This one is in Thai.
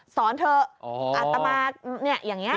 อ๋อสอนเถอะอัตมากเนี่ยอย่างเนี่ย